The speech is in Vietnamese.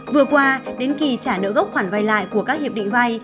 vừa qua đến kỳ trả nợ gốc khoản vay lại của các hiệp định vay